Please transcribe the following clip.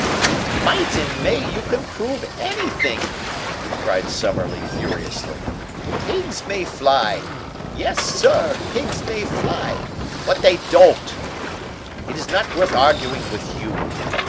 "With 'might' and 'may' you can prove anything," cried Summerlee furiously. "Pigs may fly. Yes, sir, pigs may fly but they don't. It is not worth arguing with you.